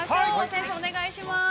先生、お願いします。